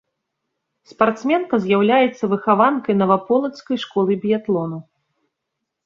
Спартсменка з'яўляецца выхаванкай наваполацкай школы біятлону.